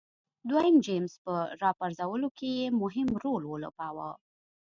دویم جېمز په راپرځولو کې یې مهم رول ولوباوه.